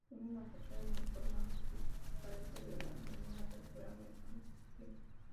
Tiene una fachada formal, que carece de la menor apertura mercantil.